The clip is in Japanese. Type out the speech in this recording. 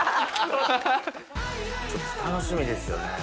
ちょっと楽しみですよね。